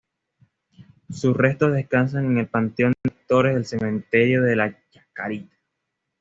Sus restos descansan en el Panteón de actores del cementerio de la Chacarita.